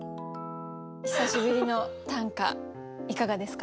久しぶりの短歌いかがですか？